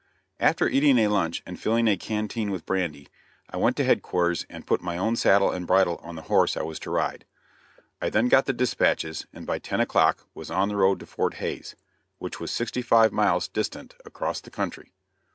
After eating a lunch and filling a canteen with brandy, I went to headquarters and put my own saddle and bridle on the horse I was to ride. I then got the dispatches, and by ten o'clock was on the road to Fort Hays, which was sixty five miles distant across the country.